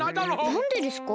なんでですか？